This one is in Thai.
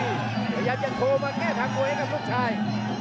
พยายามจะโทรมาแค่ทางมวยครับลูกชาย